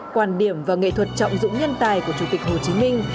quan điểm và nghệ thuật trọng dụng nhân tài của chủ tịch hồ chí minh